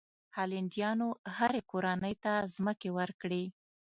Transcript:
هالنډیانو هرې کورنۍ ته ځمکې ورکړې.